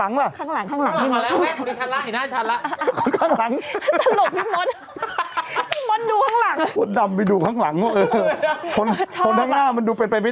คิวแบบไปชกมวยจะไปออกกำลังกานจะดูเพิ่ม